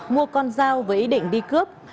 mua con dao với ý định đi cướp